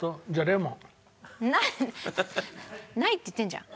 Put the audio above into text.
ないって言ってんじゃん。